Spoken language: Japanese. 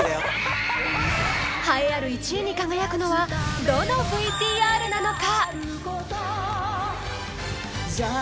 栄えある１位に輝くのはどのＶＴＲなのか？